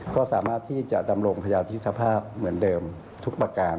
ก็สามารถที่จะดำรงพยาธิสภาพเหมือนเดิมทุกประการ